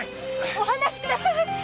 お放しください！